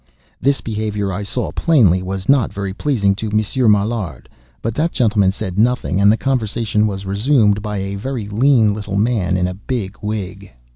This behavior, I saw plainly, was not very pleasing to Monsieur Maillard; but that gentleman said nothing, and the conversation was resumed by a very lean little man in a big wig.